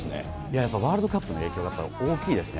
やっぱりワールドカップの影響がやっぱり多いですね。